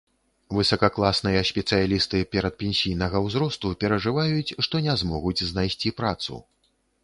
Высакакласныя спецыялісты перадпенсійнага ўзросту перажываюць, што не змогуць знайсці працу.